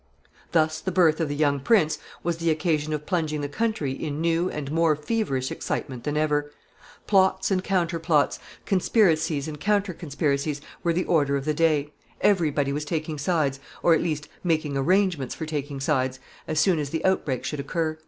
Thus the birth of the young prince was the occasion of plunging the country in new and more feverish excitement than ever. Plots and counter plots, conspiracies and counter conspiracies, were the order of the day. Every body was taking sides, or, at least, making arrangements for taking sides, as soon as the outbreak should occur.